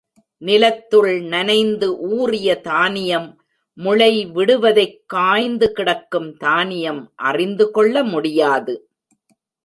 நிலத்துள் நனைந்து ஊறிய தானியம் முளை விடுவதைக் காய்ந்து கிடக்கும் தானியம் அறிந்து கொள்ள முடியாது.